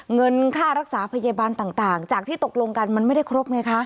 เงินค่ารักษาพยาบาลต่างจากที่ตกลงกันมันไม่ได้ครบไงคะ